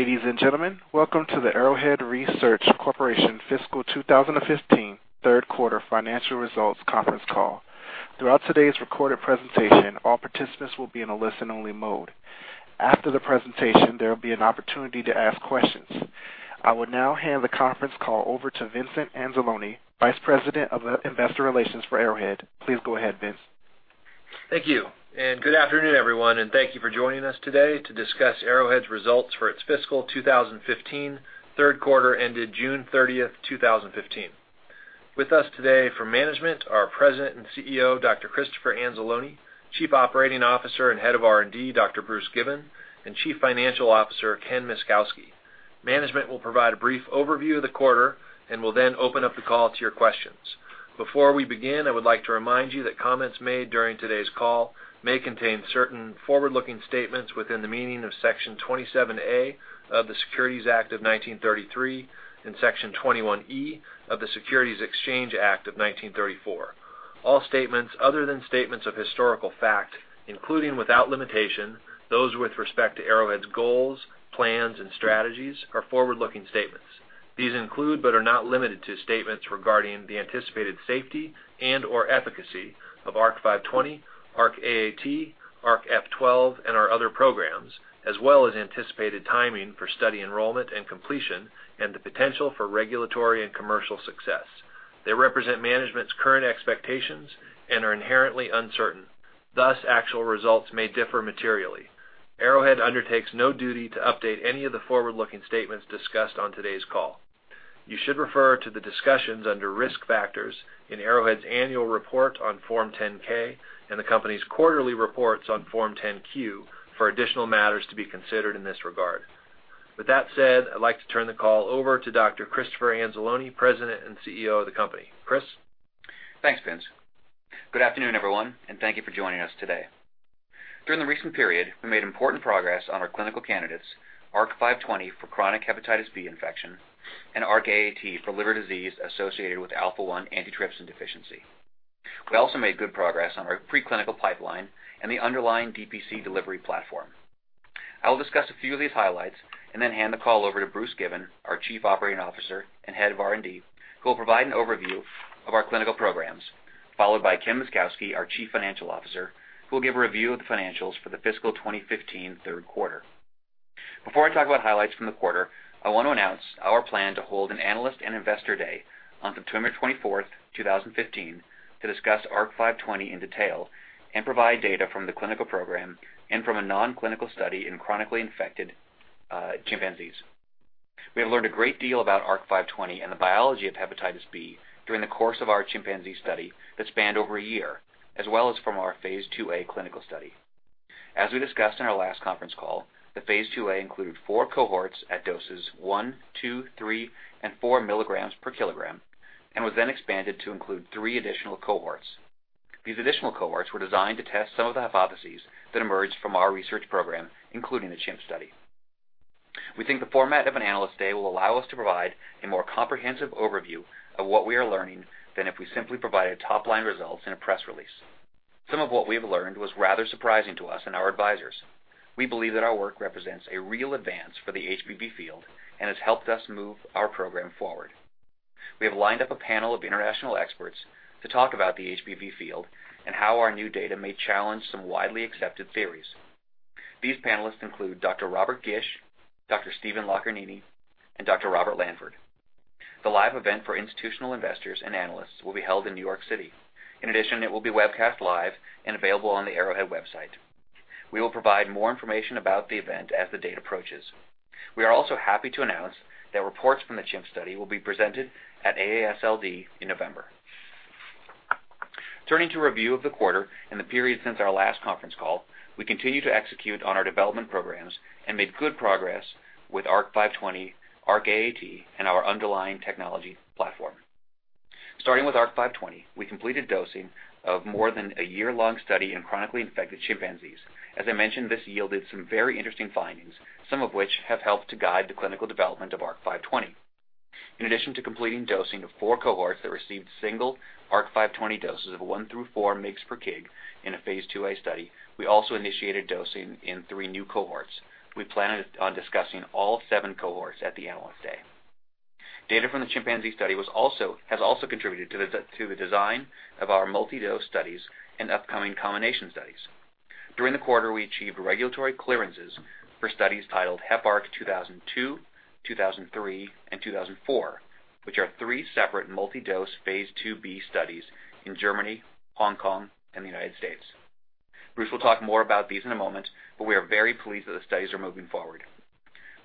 Ladies and gentlemen, welcome to the Arrowhead Research Corporation fiscal 2015 third quarter financial results conference call. Throughout today's recorded presentation, all participants will be in a listen-only mode. After the presentation, there will be an opportunity to ask questions. I would now hand the conference call over to Vincent Anzalone, Vice President of Investor Relations for Arrowhead. Please go ahead, Vince. Thank you. Good afternoon, everyone, and thank you for joining us today to discuss Arrowhead's results for its fiscal 2015 third quarter ended June 30, 2015. With us today for management are President and CEO, Dr. Christopher Anzalone, Chief Operating Officer and Head of R&D, Dr. Bruce Given, and Chief Financial Officer, Ken Myszkowski. Management will provide a brief overview of the quarter and will then open up the call to your questions. Before we begin, I would like to remind you that comments made during today's call may contain certain forward-looking statements within the meaning of Section 27A of the Securities Act of 1933 and Section 21E of the Securities Exchange Act of 1934. All statements other than statements of historical fact, including, without limitation, those with respect to Arrowhead's goals, plans, and strategies, are forward-looking statements. These include, but are not limited to, statements regarding the anticipated safety and/or efficacy of ARC-520, ARC-AAT, ARC-F12, and our other programs, as well as anticipated timing for study enrollment and completion and the potential for regulatory and commercial success. They represent management's current expectations and are inherently uncertain. Thus, actual results may differ materially. Arrowhead undertakes no duty to update any of the forward-looking statements discussed on today's call. You should refer to the discussions under Risk Factors in Arrowhead's annual report on Form 10-K and the company's quarterly reports on Form 10-Q for additional matters to be considered in this regard. With that said, I'd like to turn the call over to Dr. Christopher Anzalone, President and CEO of the company. Chris? Thanks, Vince. Good afternoon, everyone. Thank you for joining us today. During the recent period, we made important progress on our clinical candidates, ARC-520 for chronic hepatitis B infection and ARC-AAT for liver disease associated with alpha-1 antitrypsin deficiency. We also made good progress on our preclinical pipeline and the underlying DPC delivery platform. I will discuss a few of these highlights and then hand the call over to Bruce Given, our Chief Operating Officer and Head of R&D, who will provide an overview of our clinical programs, followed by Ken Myszkowski, our Chief Financial Officer, who will give a review of the financials for the fiscal 2015 third quarter. Before I talk about highlights from the quarter, I want to announce our plan to hold an Analyst and Investor Day on September 24th, 2015, to discuss ARC-520 in detail and provide data from the clinical program and from a non-clinical study in chronically infected chimpanzees. We have learned a great deal about ARC-520 and the biology of hepatitis B during the course of our chimpanzee study that spanned over a year as well as from our phase IIa clinical study. As we discussed in our last conference call, the phase IIa included four cohorts at doses 1, 2, 3, and 4 milligrams per kilogram and was expanded to include three additional cohorts. These additional cohorts were designed to test some of the hypotheses that emerged from our research program, including the chimp study. We think the format of an Analyst Day will allow us to provide a more comprehensive overview of what we are learning than if we simply provided top-line results in a press release. Some of what we have learned was rather surprising to us and our advisors. We believe that our work represents a real advance for the HBV field and has helped us move our program forward. We have lined up a panel of international experts to talk about the HBV field and how our new data may challenge some widely accepted theories. These panelists include Dr. Robert Gish, Dr. Stephen Locarnini, and Dr. Robert Lanford. The live event for institutional investors and analysts will be held in New York City. In addition, it will be webcast live and available on the Arrowhead website. We will provide more information about the event as the date approaches. We are also happy to announce that reports from the chimp study will be presented at AASLD in November. Turning to a review of the quarter and the period since our last conference call, we continue to execute on our development programs and made good progress with ARC-520, ARC-AAT, and our underlying technology platform. Starting with ARC-520, we completed dosing of more than a year-long study in chronically infected chimpanzees. As I mentioned, this yielded some very interesting findings, some of which have helped to guide the clinical development of ARC-520. In addition to completing dosing of four cohorts that received single ARC-520 doses of 1 through 4 mgs per kg in a phase IIa study, we also initiated dosing in three new cohorts. We plan on discussing all seven cohorts at the Analyst Day. Data from the chimpanzee study has also contributed to the design of our multi-dose studies and upcoming combination studies. During the quarter, we achieved regulatory clearances for studies titled Heparc-2002, Heparc-2003, and Heparc-2004, which are three separate multi-dose phase IIb studies in Germany, Hong Kong, and the U.S. Bruce will talk more about these in a moment, but we are very pleased that the studies are moving forward.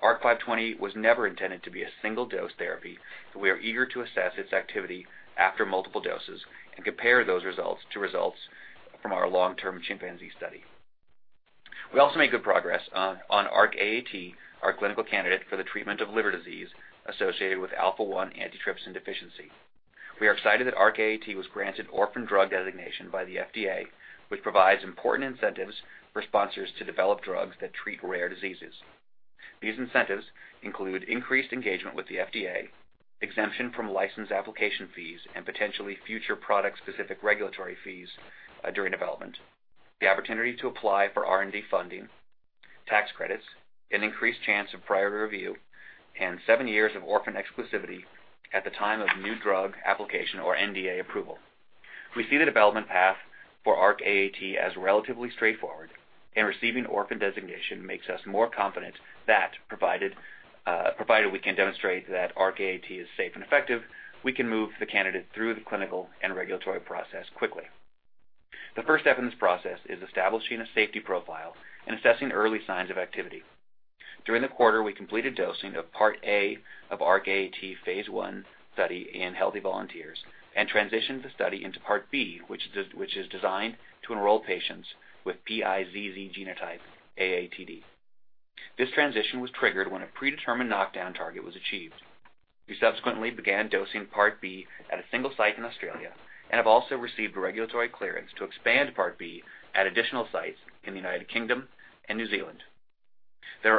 ARC-520 was never intended to be a single-dose therapy, and we are eager to assess its activity after multiple doses and compare those results to results from our long-term chimpanzee study. We also made good progress on ARC-AAT, our clinical candidate for the treatment of liver disease associated with alpha-1 antitrypsin deficiency. We are excited that ARC-AAT was granted orphan drug designation by the FDA, which provides important incentives for sponsors to develop drugs that treat rare diseases. These incentives include increased engagement with the FDA, exemption from license application fees, and potentially future product-specific regulatory fees during development, the opportunity to apply for R&D funding, tax credits, an increased chance of priority review, and seven years of orphan exclusivity at the time of new drug application or NDA approval. We see the development path for ARC-AAT as relatively straightforward, and receiving orphan designation makes us more confident that, provided we can demonstrate that ARC-AAT is safe and effective, we can move the candidate through the clinical and regulatory process quickly. The first step in this process is establishing a safety profile and assessing early signs of activity. During the quarter, we completed dosing of Part A of ARC-AAT phase I study in healthy volunteers and transitioned the study into Part B, which is designed to enroll patients with PiZZ genotype AATD. This transition was triggered when a predetermined knockdown target was achieved. We subsequently began dosing Part B at a single site in Australia and have also received regulatory clearance to expand Part B at additional sites in the U.K. and New Zealand. We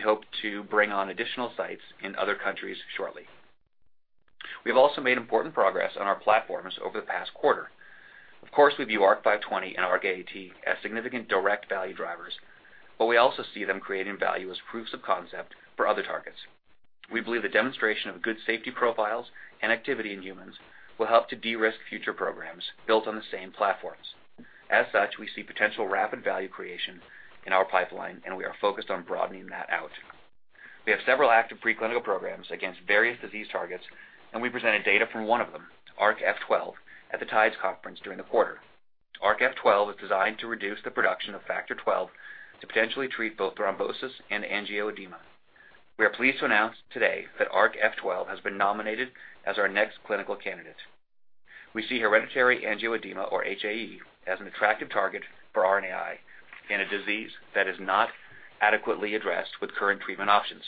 hope to bring on additional sites in other countries shortly. We have also made important progress on our platforms over the past quarter. We view ARC-520 and ARC-AAT as significant direct value drivers, but we also see them creating value as proofs of concept for other targets. We believe the demonstration of good safety profiles and activity in humans will help to de-risk future programs built on the same platforms. We see potential rapid value creation in our pipeline, and we are focused on broadening that out. We have several active preclinical programs against various disease targets, we presented data from one of them, ARC-F12, at the TIDES conference during the quarter. ARC-F12 is designed to reduce the production of factor XII to potentially treat both thrombosis and angioedema. We are pleased to announce today that ARC-F12 has been nominated as our next clinical candidate. We see hereditary angioedema, or HAE, as an attractive target for RNAi in a disease that is not adequately addressed with current treatment options.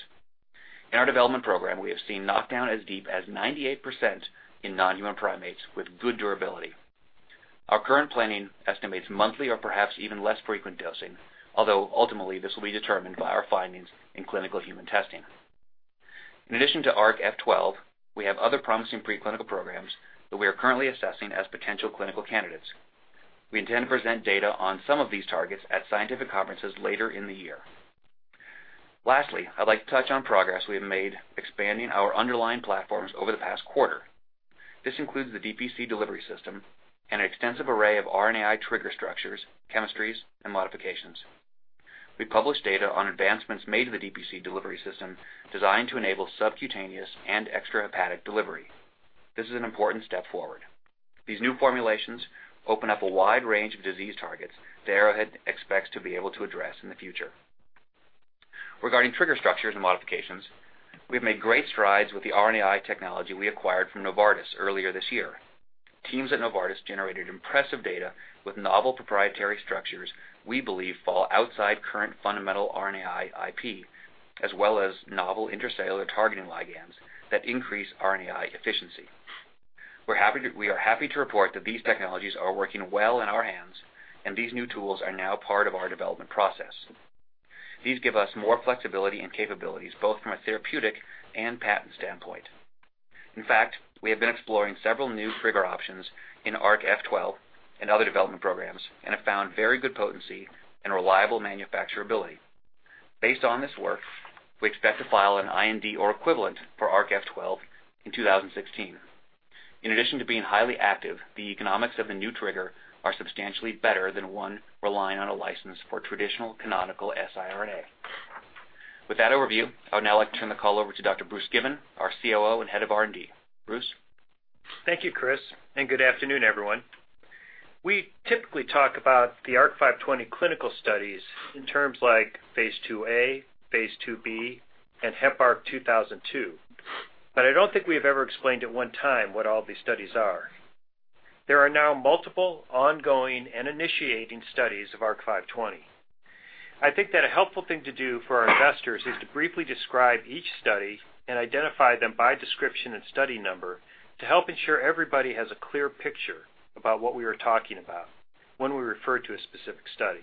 In our development program, we have seen knockdown as deep as 98% in non-human primates with good durability. Our current planning estimates monthly or perhaps even less frequent dosing, although ultimately this will be determined by our findings in clinical human testing. We have other promising preclinical programs that we are currently assessing as potential clinical candidates. We intend to present data on some of these targets at scientific conferences later in the year. I'd like to touch on progress we have made expanding our underlying platforms over the past quarter. This includes the DPC delivery system and an extensive array of RNAi trigger structures, chemistries, and modifications. We published data on advancements made to the DPC delivery system designed to enable subcutaneous and extrahepatic delivery. This is an important step forward. These new formulations open up a wide range of disease targets that Arrowhead expects to be able to address in the future. We have made great strides with the RNAi technology we acquired from Novartis earlier this year. Teams at Novartis generated impressive data with novel proprietary structures we believe fall outside current fundamental RNAi IP, as well as novel intracellular targeting ligands that increase RNAi efficiency. We are happy to report that these technologies are working well in our hands, and these new tools are now part of our development process. These give us more flexibility and capabilities, both from a therapeutic and patent standpoint. In fact, we have been exploring several new trigger options in ARC-F12 and other development programs and have found very good potency and reliable manufacturability. Based on this work, we expect to file an IND or equivalent for ARC-F12 in 2016. In addition to being highly active, the economics of the new trigger are substantially better than one relying on a license for traditional canonical siRNA. With that overview, I would now like to turn the call over to Dr. Bruce Given, our COO and Head of R&D. Bruce? Thank you, Chris, and good afternoon, everyone. We typically talk about the ARC-520 clinical studies in terms like phase IIa, phase IIb, and Heparc-2002, but I don't think we have ever explained at one time what all these studies are. There are now multiple ongoing and initiating studies of ARC-520. I think that a helpful thing to do for our investors is to briefly describe each study and identify them by description and study number to help ensure everybody has a clear picture about what we are talking about when we refer to a specific study.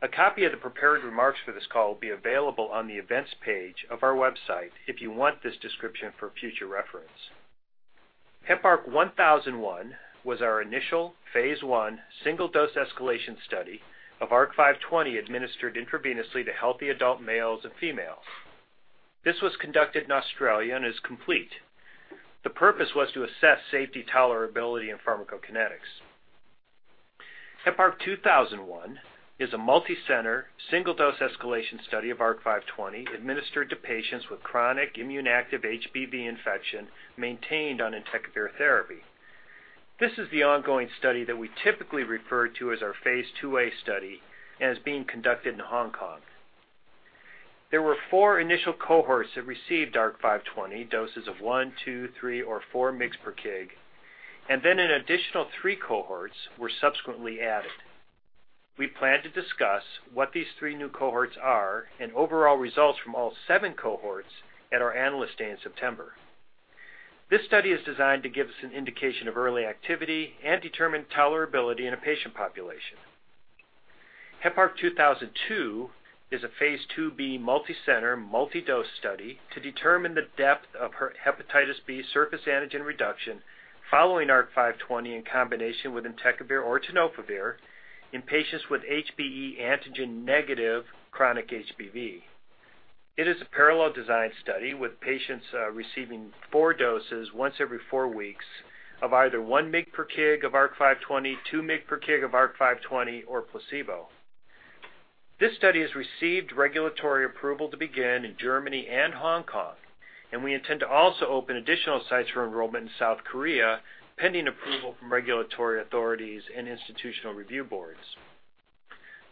A copy of the prepared remarks for this call will be available on the Events page of our website if you want this description for future reference. Heparc-1001 was our initial phase I single-dose escalation study of ARC-520 administered intravenously to healthy adult males and females. This was conducted in Australia and is complete. The purpose was to assess safety tolerability and pharmacokinetics. Heparc-2001 is a multicenter single-dose escalation study of ARC-520 administered to patients with chronic immune-active HBV infection maintained on entecavir therapy. This is the ongoing study that we typically refer to as our phase IIa study and is being conducted in Hong Kong. There were four initial cohorts that received ARC-520 doses of one, two, three, or four mg/kg, and then an additional three cohorts were subsequently added. We plan to discuss what these three new cohorts are and overall results from all seven cohorts at our Analyst Day in September. This study is designed to give us an indication of early activity and determine tolerability in a patient population. HEPARC 2002 is a phase IIb multi-center, multi-dose study to determine the depth of hepatitis B surface antigen reduction following ARC-520 in combination with entecavir or tenofovir in patients with HBe antigen negative chronic HBV. It is a parallel design study with patients receiving four doses once every four weeks of either one mg per kg of ARC-520, two mg per kg of ARC-520, or placebo. This study has received regulatory approval to begin in Germany and Hong Kong, and we intend to also open additional sites for enrollment in South Korea, pending approval from regulatory authorities and institutional review boards.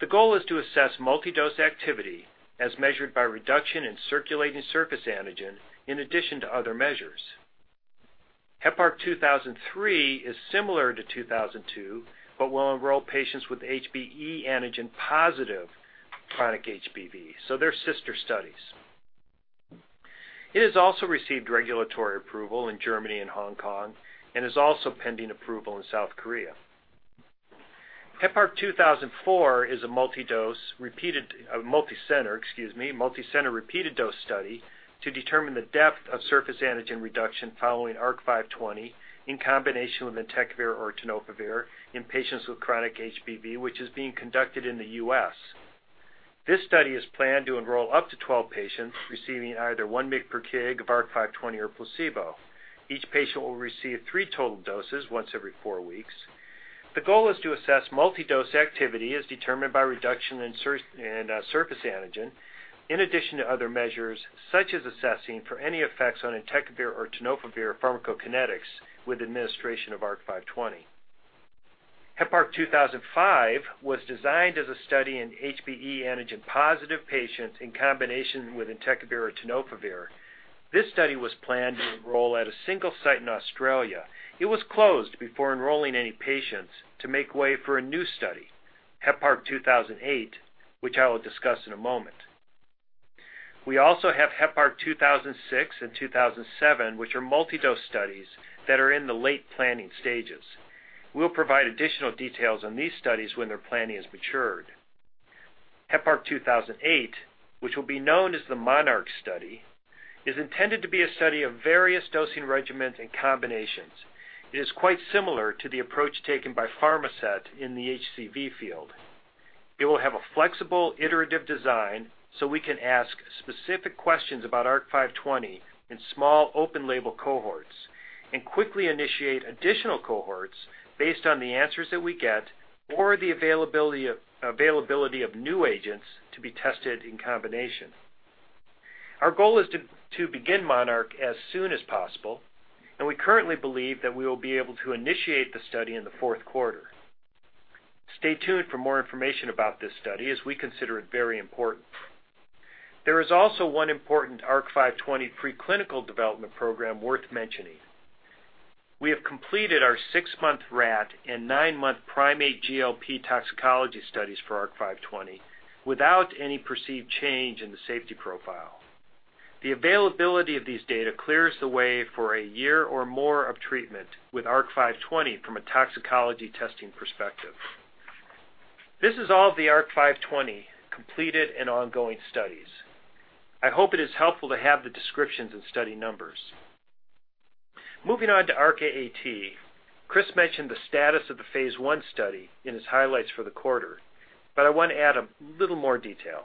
The goal is to assess multi-dose activity as measured by reduction in circulating surface antigen in addition to other measures. Heparc-2003 is similar to 2002 but will enroll patients with HBe antigen-positive chronic HBV, so they're sister studies. It has also received regulatory approval in Germany and Hong Kong and is also pending approval in South Korea. Heparc-2004 is a multi-center repeated dose study to determine the depth of surface antigen reduction following ARC-520 in combination with entecavir or tenofovir in patients with chronic HBV, which is being conducted in the U.S. This study is planned to enroll up to 12 patients receiving either 1 mg per kg of ARC-520 or placebo. Each patient will receive 3 total doses once every 4 weeks. The goal is to assess multi-dose activity as determined by reduction in surface antigen, in addition to other measures such as assessing for any effects on entecavir or tenofovir pharmacokinetics with administration of ARC-520. Heparc-2005 was designed as a study in HBe antigen-positive patients in combination with entecavir or tenofovir. This study was planned to enroll at a single site in Australia. It was closed before enrolling any patients to make way for a new study, Heparc-2008, which I will discuss in a moment. We also have Heparc-2006 and Heparc-2007, which are multi-dose studies that are in the late planning stages. We'll provide additional details on these studies when their planning has matured. Heparc-2008, which will be known as the MONARCH study, is intended to be a study of various dosing regimens and combinations. It is quite similar to the approach taken by Pharmasset in the HCV field. It will have a flexible, iterative design so we can ask specific questions about ARC-520 in small open label cohorts and quickly initiate additional cohorts based on the answers that we get or the availability of new agents to be tested in combination. Our goal is to begin MONARCH as soon as possible, and we currently believe that we will be able to initiate the study in the fourth quarter. Stay tuned for more information about this study as we consider it very important. There is also 1 important ARC-520 preclinical development program worth mentioning. We have completed our 6-month rat and 9-month primate GLP toxicology studies for ARC-520 without any perceived change in the safety profile. The availability of these data clears the way for a year or more of treatment with ARC-520 from a toxicology testing perspective. This is all of the ARC-520 completed and ongoing studies. I hope it is helpful to have the descriptions and study numbers. Moving on to ARC-AAT, Chris mentioned the status of the phase I study in his highlights for the quarter, but I want to add a little more detail.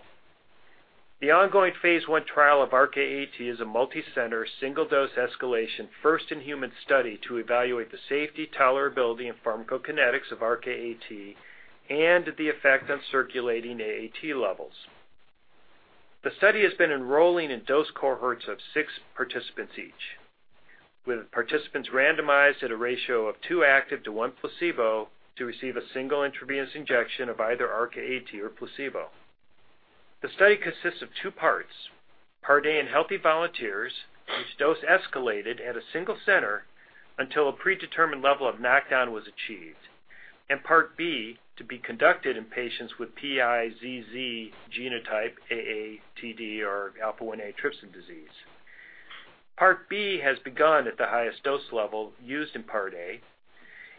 The ongoing phase I trial of ARC-AAT is a multi-center, single-dose escalation, first-in-human study to evaluate the safety, tolerability, and pharmacokinetics of ARC-AAT and the effect on circulating AAT levels. The study has been enrolling in dose cohorts of 6 participants each, with participants randomized at a ratio of 2 active to 1 placebo to receive a single intravenous injection of either ARC-AAT or placebo. The study consists of 2 parts. Part A in healthy volunteers, which dose escalated at a single center until a predetermined level of knockdown was achieved, and Part B to be conducted in patients with PiZZ genotype AATD or alpha-1 antitrypsin deficiency. Part B has begun at the highest dose level used in Part A,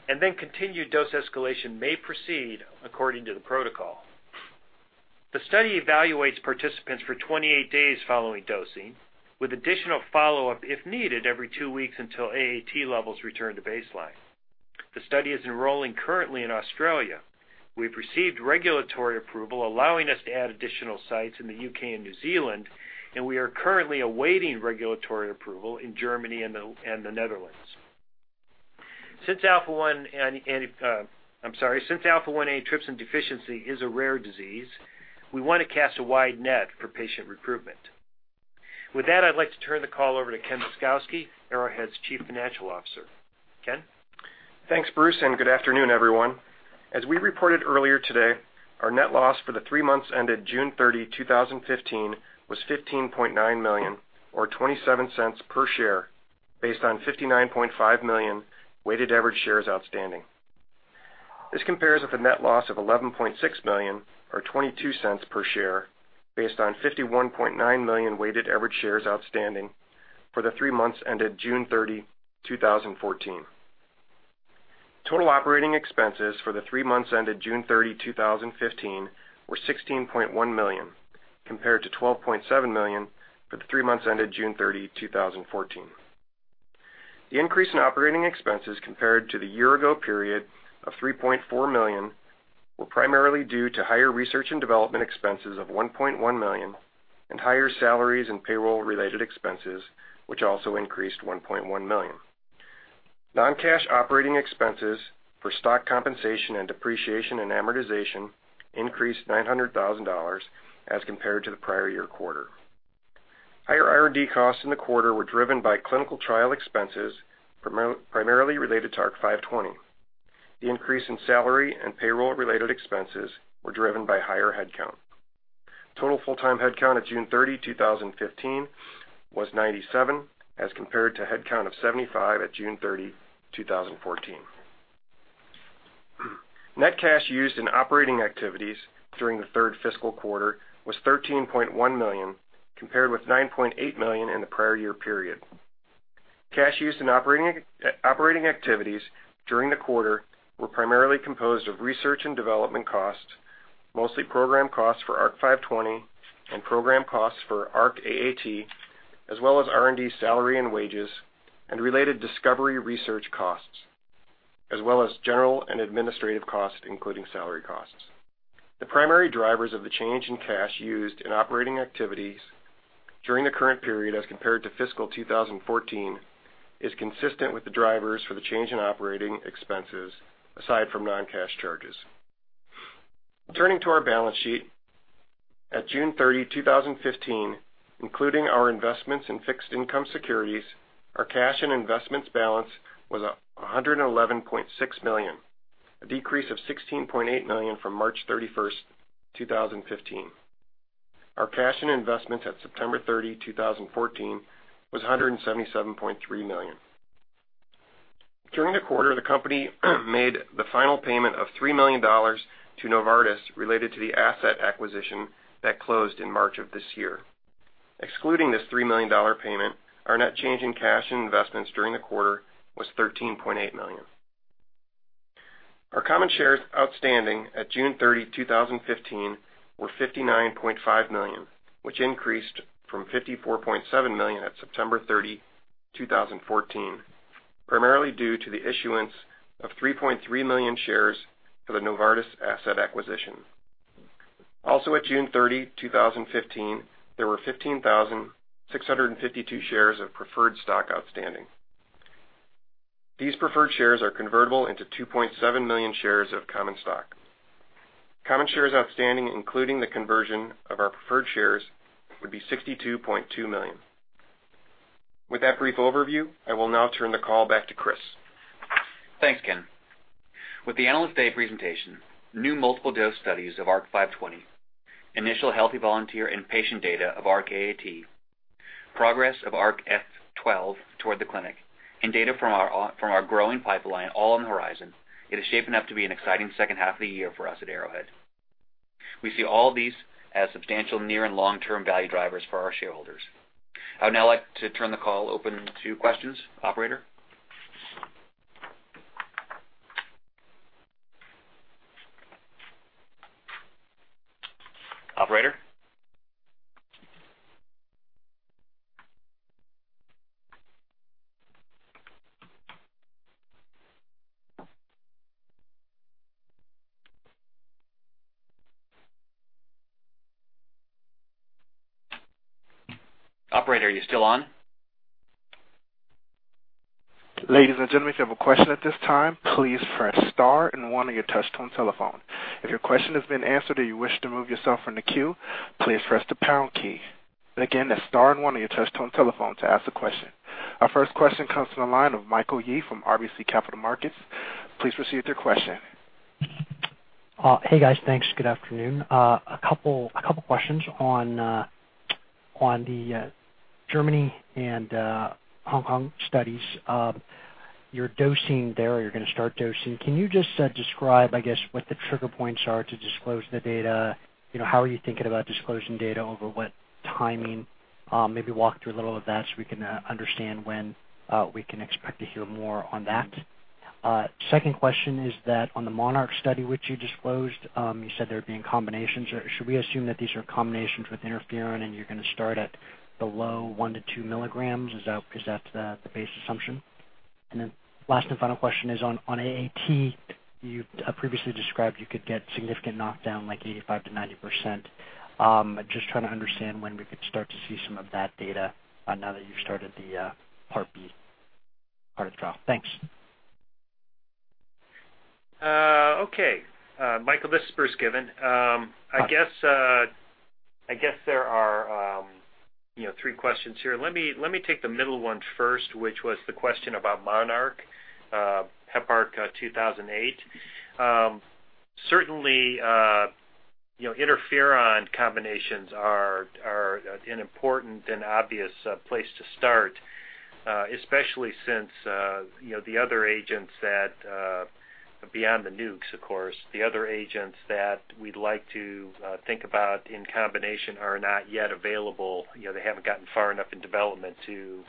and then continued dose escalation may proceed according to the protocol. The study evaluates participants for 28 days following dosing, with additional follow-up if needed every two weeks until AAT levels return to baseline. The study is enrolling currently in Australia. We've received regulatory approval allowing us to add additional sites in the U.K. and New Zealand, and we are currently awaiting regulatory approval in Germany and the Netherlands. Since alpha-1 antitrypsin deficiency is a rare disease, we want to cast a wide net for patient recruitment. With that, I'd like to turn the call over to Ken Myszkowski, Arrowhead's Chief Financial Officer. Ken? Thanks, Bruce, and good afternoon, everyone. As we reported earlier today, our net loss for the three months ended June 30, 2015 was $15.9 million or $0.27 per share based on 59.5 million weighted average shares outstanding. This compares with a net loss of $11.6 million or $0.22 per share based on 51.9 million weighted average shares outstanding for the three months ended June 30, 2014. Total operating expenses for the three months ended June 30, 2015, were $16.1 million, compared to $12.7 million for the three months ended June 30, 2014. The increase in operating expenses compared to the year-ago period of $3.4 million were primarily due to higher research and development expenses of $1.1 million and higher salaries and payroll-related expenses, which also increased $1.1 million. Non-cash operating expenses for stock compensation and depreciation and amortization increased $900,000 as compared to the prior year quarter. Higher R&D costs in the quarter were driven by clinical trial expenses, primarily related to ARC-520. The increase in salary and payroll-related expenses were driven by higher headcount. Total full-time headcount at June 30, 2015, was 97, as compared to a headcount of 75 at June 30, 2014. Net cash used in operating activities during the third fiscal quarter was $13.1 million, compared with $9.8 million in the prior year period. Cash used in operating activities during the quarter were primarily composed of research and development costs, mostly program costs for ARC-520 and program costs for ARC-AAT, as well as R&D salary and wages and related discovery research costs, as well as general and administrative costs, including salary costs. The primary drivers of the change in cash used in operating activities during the current period as compared to fiscal 2014 is consistent with the drivers for the change in operating expenses aside from non-cash charges. Turning to our balance sheet at June 30, 2015, including our investments in fixed income securities, our cash and investments balance was $111.6 million, a decrease of $16.8 million from March 31st, 2015. Our cash and investments at September 30, 2014, was $177.3 million. During the quarter, the company made the final payment of $3 million to Novartis related to the asset acquisition that closed in March of this year. Excluding this $3 million payment, our net change in cash and investments during the quarter was $13.8 million. Our common shares outstanding at June 30, 2015, were 59.5 million, which increased from 54.7 million at September 30, 2014, primarily due to the issuance of 3.3 million shares for the Novartis asset acquisition. Also at June 30, 2015, there were 15,652 shares of preferred stock outstanding. These preferred shares are convertible into 2.7 million shares of common stock. Common shares outstanding, including the conversion of our preferred shares, would be 62.2 million. With that brief overview, I will now turn the call back to Chris. Thanks, Ken. With the Analyst Day presentation, new multiple dose studies of ARC-520, initial healthy volunteer and patient data of ARC-AAT, progress of ARC-F12 toward the clinic, and data from our growing pipeline all on the horizon, it is shaping up to be an exciting second half of the year for us at Arrowhead. We see all of these as substantial near and long-term value drivers for our shareholders. I would now like to turn the call open to questions. Operator? Operator? Operator, are you still on? Ladies and gentlemen, if you have a question at this time, please press star and one on your touchtone telephone. If your question has been answered or you wish to remove yourself from the queue, please press the pound key. Again, that's star and one on your touchtone telephone to ask a question. Our first question comes from the line of Michael Yee from RBC Capital Markets. Please proceed with your question. Hey, guys. Thanks. Good afternoon. A couple of questions on the Germany and Hong Kong studies. You're dosing there or you're going to start dosing. Can you just describe, I guess, what the trigger points are to disclose the data? How are you thinking about disclosing data over what timing? Maybe walk through a little of that so we can understand when we can expect to hear more on that. Second question is that on the MONARCH study which you disclosed, you said there would be combinations. Should we assume that these are combinations with interferon and you're going to start at below 1 to 2 milligrams? Is that the base assumption? Then last and final question is on AAT, you previously described you could get significant knockdown like 85%-90%. I'm just trying to understand when we could start to see some of that data now that you've started the Part B part of the trial. Thanks. Okay. Michael, this is Bruce Given. Hi. I guess there are three questions here. Let me take the middle one first, which was the question about MONARCH, Heparc-2008. Certainly, interferon combinations are an important and obvious place to start, especially since the other agents that, beyond the nukes, of course, the other agents that we'd like to think about in combination are not yet available. They haven't gotten far enough in development to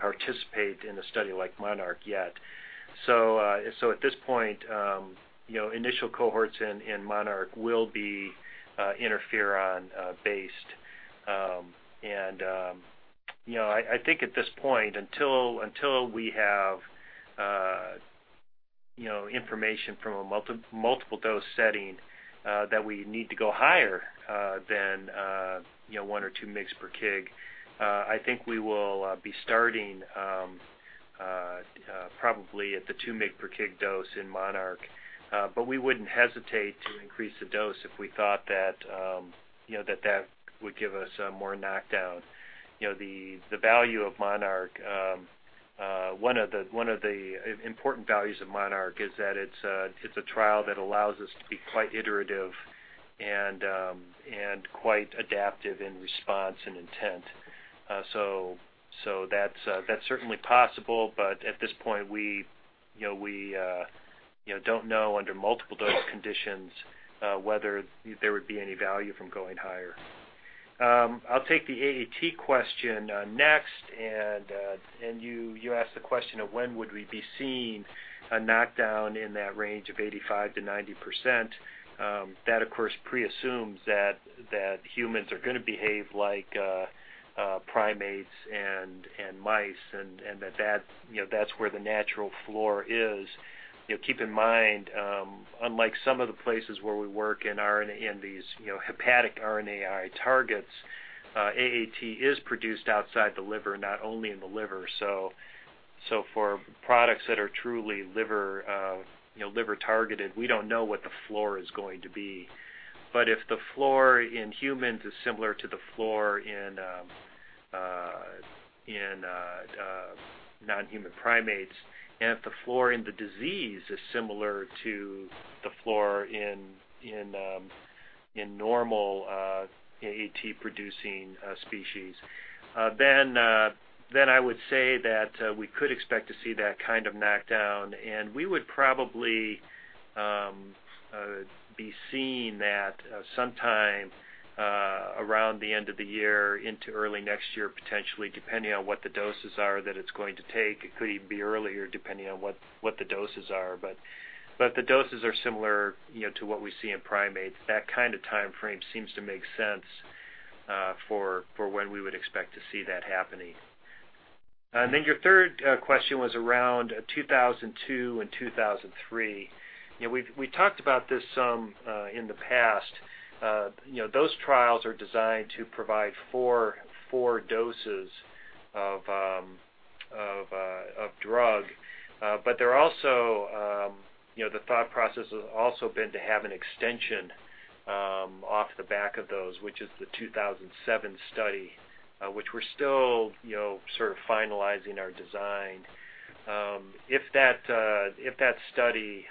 participate in a study like MONARCH yet. At this point, initial cohorts in MONARCH will be interferon-based. I think at this point, until we have information from a multiple dose setting that we need to go higher than one or two mgs per kg, I think we will be starting probably at the two mg per kg dose in MONARCH. We wouldn't hesitate to increase the dose if we thought that would give us more knockdown. One of the important values of MONARCH is that it's a trial that allows us to be quite iterative and quite adaptive in response and intent. That's certainly possible, at this point, we don't know under multiple dose conditions whether there would be any value from going higher. I'll take the AAT question next. You asked the question of when would we be seeing a knockdown in that range of 85%-90%. That, of course, pre-assumes that humans are going to behave like primates and mice, and that that's where the natural floor is. Keep in mind, unlike some of the places where we work in these hepatic RNAi targets, AAT is produced outside the liver, not only in the liver. For products that are truly liver-targeted, we don't know what the floor is going to be. If the floor in humans is similar to the floor in non-human primates, and if the floor in the disease is similar to the floor in normal AAT-producing species, I would say that we could expect to see that kind of knockdown. We would probably be seeing that sometime around the end of the year into early next year, potentially, depending on what the doses are that it's going to take. It could even be earlier depending on what the doses are. The doses are similar to what we see in primates. That kind of timeframe seems to make sense for when we would expect to see that happening. Your third question was around 2002 and 2003. We talked about this some in the past. Those trials are designed to provide four doses of drug. The thought process has also been to have an extension off the back of those, which is the 2007 study, which we're still sort of finalizing our design. If that study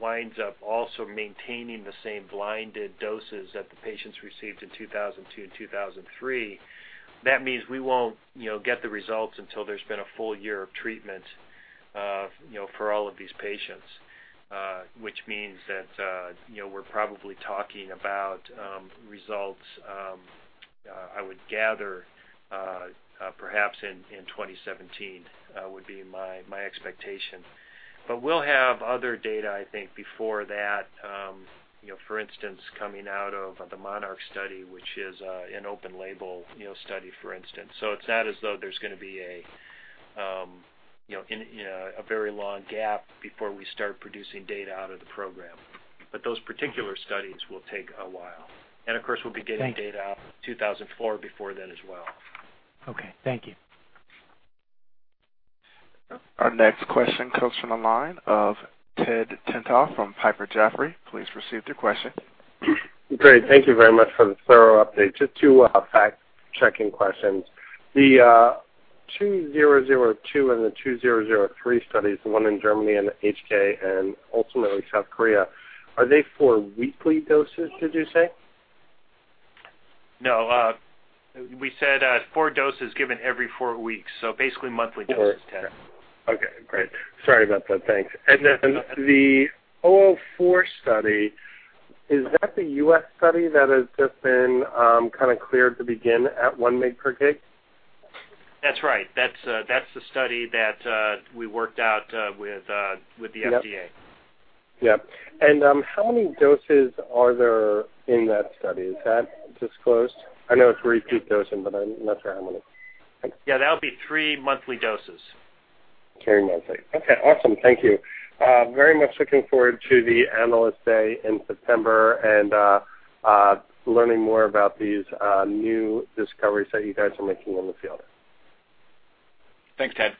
winds up also maintaining the same blinded doses that the patients received in 2002 and 2003, that means we won't get the results until there's been a full year of treatment for all of these patients. Which means that we're probably talking about results, I would gather, perhaps in 2017, would be my expectation. We'll have other data, I think, before that. For instance, coming out of the MONARCH study, which is an open label study, for instance. It's not as though there's going to be a very long gap before we start producing data out of the program. Those particular studies will take a while. Of course, we'll be getting data out in 2004 before then as well. Okay. Thank you. Our next question comes from the line of Ted Tenthoff from Piper Jaffray. Please proceed with your question. Great. Thank you very much for the thorough update. Just two fact-checking questions. The 2002 and the 2003 studies, the one in Germany and HK, and ultimately South Korea, are they four weekly doses, did you say? No. We said four doses given every four weeks, basically monthly doses, Ted. Okay, great. Sorry about that. Thanks. Then the Heparc-2004 study, is that the U.S. study that has just been kind of cleared to begin at 1 mg per kg? That's right. That's the study that we worked out with the FDA. Yep. How many doses are there in that study? Is that disclosed? I know it's repeat dosing, but I'm not sure how many. Thanks. Yeah, that'll be three monthly doses. Three monthly. Okay, awesome. Thank you. Very much looking forward to the Analyst Day in September and learning more about these new discoveries that you guys are making in the field. Thanks, Ted.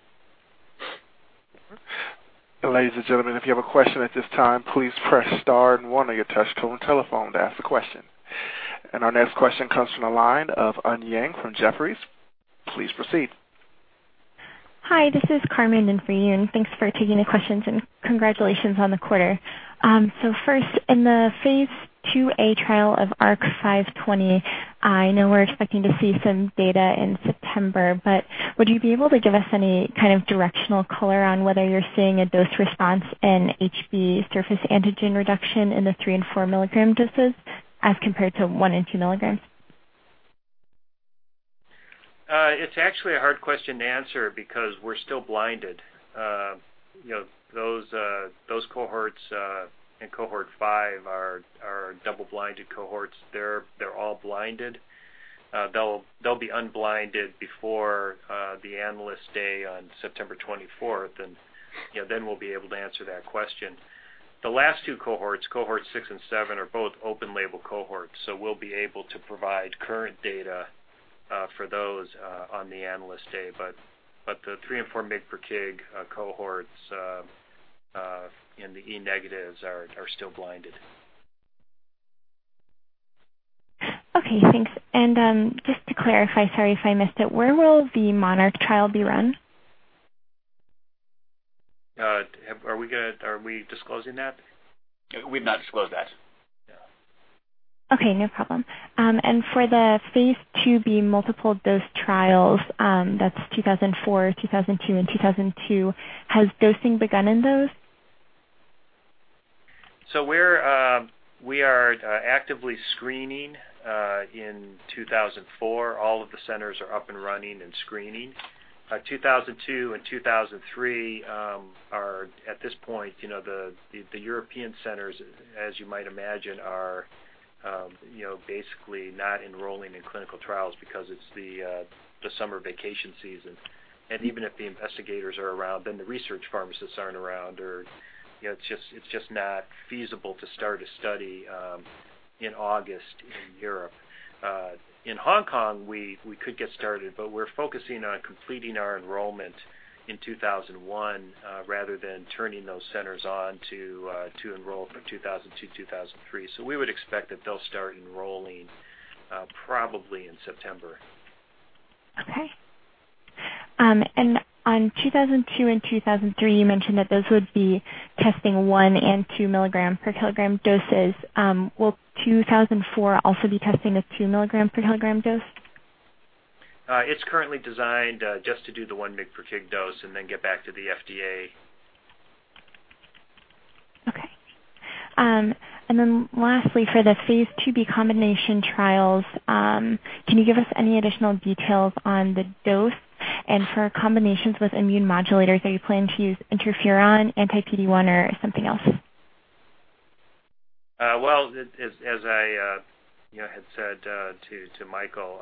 Ladies and gentlemen, if you have a question at this time, please press star and one on your touchtone telephone to ask a question. Our next question comes from the line of Eun Yang from Jefferies. Please proceed. Hi, this is Carmen Nanfrie, and thanks for taking the questions and congratulations on the quarter. First, in the phase IIa trial of ARC-520, I know we're expecting to see some data in September, but would you be able to give us any kind of directional color on whether you're seeing a dose response in HB surface antigen reduction in the three and four milligram doses as compared to one and two milligrams? It's actually a hard question to answer because we're still blinded. Those cohorts in cohort 5 are double-blinded cohorts. They're all blinded. They'll be unblinded before the Analyst Day on September 24th, then we'll be able to answer that question. The last two cohorts 6 and 7, are both open label cohorts, so we'll be able to provide current data for those on the Analyst Day. The 3 and 4 mg per kg cohorts in the e negatives are still blinded. Okay, thanks. Just to clarify, sorry if I missed it, where will the MONARCH trial be run? Are we disclosing that? We've not disclosed that. No. Okay, no problem. For the phase IIb multiple dose trials, that's Heparc-2004, Heparc-2003, and Heparc-2002, has dosing begun in those? We are actively screening in Heparc-2004. All of the centers are up and running and screening. Heparc-2002 and Heparc-2003 are at this point, the European centers, as you might imagine, are basically not enrolling in clinical trials because it's the summer vacation season. Even if the investigators are around, then the research pharmacists aren't around or it's just not feasible to start a study in August in Europe. In Hong Kong, we could get started, but we're focusing on completing our enrollment in Heparc-2001 rather than turning those centers on to enroll for Heparc-2002, Heparc-2003. We would expect that they'll start enrolling probably in September. Okay. On Heparc-2002 and Heparc-2003, you mentioned that those would be testing one and two milligram per kilogram doses. Will Heparc-2004 also be testing a two milligram per kilogram dose? It's currently designed just to do the one mg per kg dose and then get back to the FDA. Okay. Lastly, for the Phase 2b combination trials, can you give us any additional details on the dose and for combinations with immune modulators, are you planning to use interferon, anti-PD-1, or something else? Well, as I had said to Michael,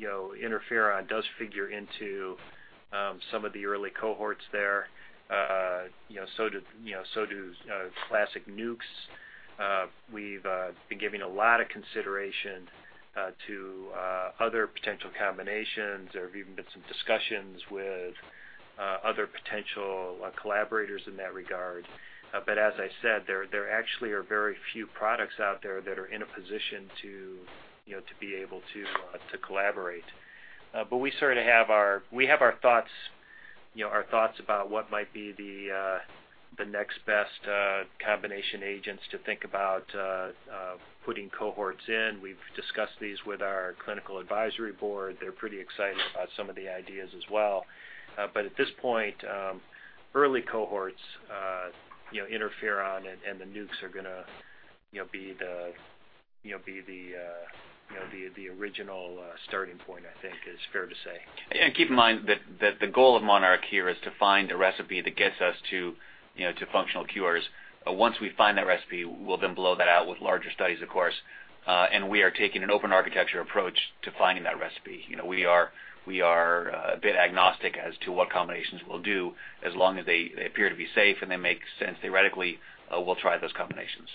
interferon does figure into some of the early cohorts there. So do classic nukes. We've been giving a lot of consideration to other potential combinations. There have even been some discussions with other potential collaborators in that regard. As I said, there actually are very few products out there that are in a position to be able to collaborate. We have our thoughts about what might be the next best combination agents to think about putting cohorts in. We've discussed these with our clinical advisory board. They're pretty excited about some of the ideas as well. At this point, early cohorts, interferon and the nukes are going to be the original starting point, I think is fair to say. Keep in mind that the goal of MONARCH here is to find a recipe that gets us to functional cures. Once we find that recipe, we'll then blow that out with larger studies, of course. We are taking an open architecture approach to finding that recipe. We are a bit agnostic as to what combinations we'll do. As long as they appear to be safe and they make sense theoretically, we'll try those combinations.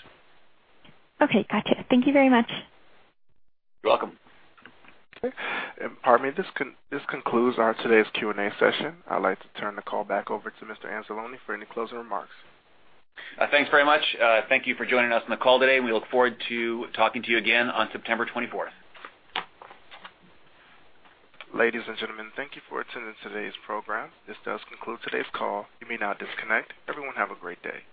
Okay, gotcha. Thank you very much. You're welcome. Okay. Pardon me. This concludes today's Q&A session. I'd like to turn the call back over to Mr. Anzalone for any closing remarks. Thanks very much. Thank you for joining us on the call today, and we look forward to talking to you again on September 24th. Ladies and gentlemen, thank you for attending today's program. This does conclude today's call. You may now disconnect. Everyone have a great day.